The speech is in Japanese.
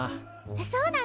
そうなんだ？